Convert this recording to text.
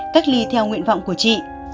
cách ly theo nguyện vọng của chị